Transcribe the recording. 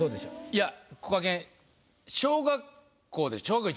いやこがけんはい。